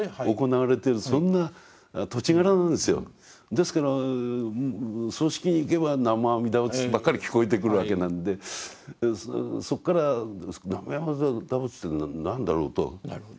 ですから葬式に行けば南無阿弥陀仏ばっかり聞こえてくるわけなんでそこから南無阿弥陀仏というのは何だろうと。